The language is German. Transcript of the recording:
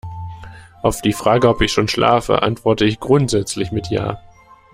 Auf die Frage, ob ich schon schlafe, antworte ich grundsätzlich mit ja.